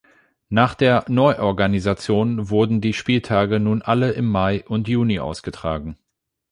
Nach der Neuorganisation wurden die Spieltage nun alle im Mai und Juni ausgetragen.